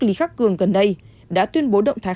lý khắc cường gần đây đã tuyên bố động thái